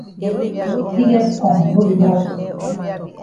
Yi get kong no be mop.